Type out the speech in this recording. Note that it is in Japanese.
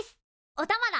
おたまだ！